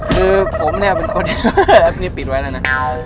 คือผมเนี่ยเป็นคนแอปนี่ปิดไว้แล้วนะ